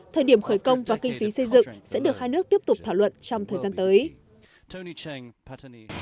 thời điểm khởi công và kinh phí xây dựng sẽ được hai nước tiếp tục thảo luận trong thời gian tới